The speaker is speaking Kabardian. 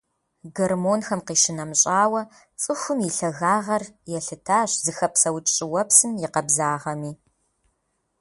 Гормонхэм къищынэмыщӀауэ, цӀыхум и лъагагъэр елъытащ зыхэпсэукӀ щӀыуэпсым и къабзагъэми.